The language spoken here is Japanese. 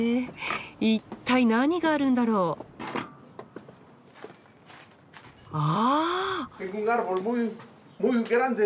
一体何があるんだろう？あっ！